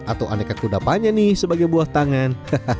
atau aneka kuda panjang nih sebagai buah tangan